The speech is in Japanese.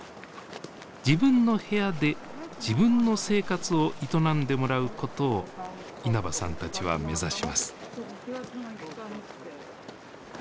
自分の部屋で自分の生活を営んでもらうことを稲葉さんたちは目指します。